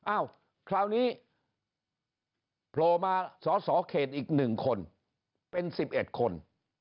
อ้าวคราวนี้โปรมาสอเขตอีก๑คนเป็น๑๑คน